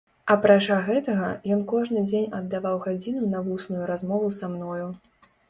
Апрача гэтага, ён кожны дзень аддаваў гадзіну на вусную размову са мною.